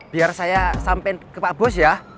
biar saya sampein ke pak bos ya